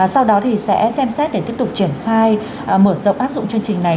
sau đó thì sẽ xem xét để tiếp tục triển khai mở rộng áp dụng chương trình này